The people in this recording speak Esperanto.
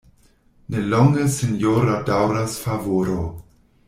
Ne longe sinjora daŭras favoro.